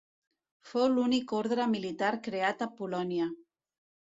Fou l'únic orde militar creat a Polònia.